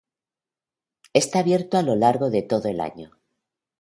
Está abierto a lo largo de todo el año.